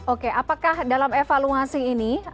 oke apakah dalam evaluasi ini